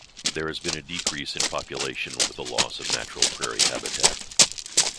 There has been a decrease in population with the loss of natural prairie habitat.